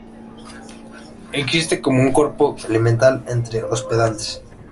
Existe como un cuerpo elemental entre hospedantes.